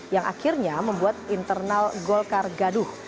yang akhirnya membuat internal golkar gaduh